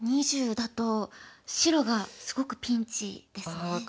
２０だと白がすごくピンチですね。